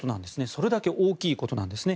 それだけ大きいことなんです。